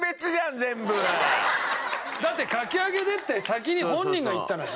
だってかき揚げでって先に本人が言ったのよ。